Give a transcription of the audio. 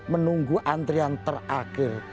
menunggu antrian terakhir